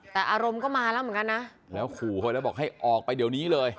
แต่อารมณ์ก็มาแล้วเหมือนกันนะแล้วขู่เขาแล้วบอกให้ออกไปเดี๋ยวนี้เลย